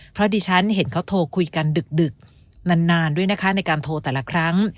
เพราะดิฉันเห็นเขาโทรคุยกันดึกนานด้วยนะคะในการโทรแต่ละครั้ง